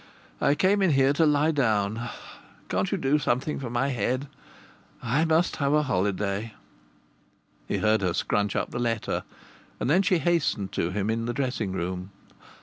I came in here to lie down. Can't you do something for my head? I must have a holiday." He heard her crunch up the letter, and then she hastened to him in the dressing room.